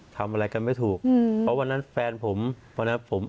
ทำอะไรกันไม่ถูกอืมเพราะวันนั้นแฟนผมวันนั้นผม